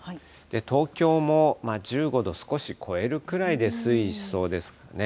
東京も１５度少し超えるくらいで推移しそうですね。